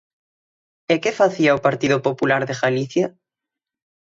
¿E que facía o Partido Popular de Galicia?